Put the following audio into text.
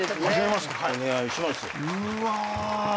うわ。